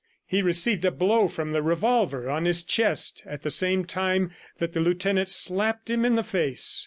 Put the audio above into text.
He received a blow from the revolver on his chest at the same time that the lieutenant slapped him in the face.